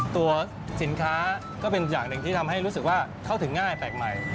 ตัวสินค้าก็เป็นอย่างหนึ่งที่ทำให้รู้สึกว่าเข้าถึงง่ายแปลกใหม่